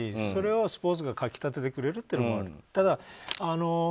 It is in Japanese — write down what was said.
それをスポーツが掻き立ててくれるというのもある。